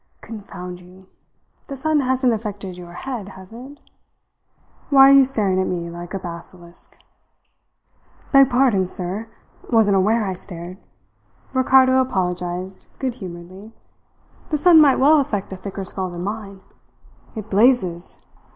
"Confound you! The sun hasn't affected your head, has it? Why are you staring at me like a basilisk?" "Beg pardon, sir. Wasn't aware I stared," Ricardo apologized good humouredly. "The sun might well affect a thicker skull than mine. It blazes.